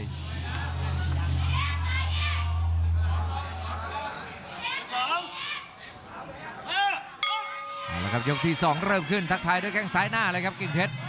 เอาละครับยกที่๒เริ่มขึ้นทักทายด้วยแข้งซ้ายหน้าเลยครับกิ่งเพชร